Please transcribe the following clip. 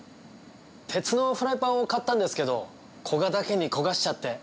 鉄のフライパンを買ったんですけどこがだけに焦がしちゃって。